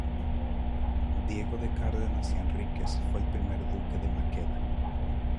Diego de Cárdenas y Enríquez fue el primer duque de Maqueda